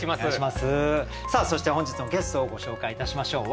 さあそして本日のゲストをご紹介いたしましょう。